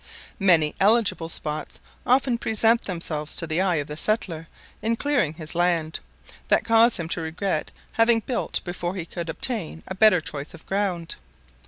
Many eligible spots often present themselves to the eye of the settler, in clearing his land, that cause him to regret having built before he could obtain a better choice of ground.